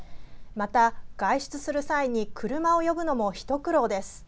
また、外出する際に車を呼ぶのも一苦労です。